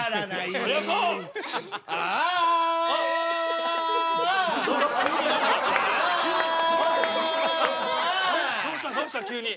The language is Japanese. アアアアどうしたどうした急に。